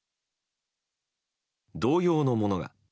同様のものが。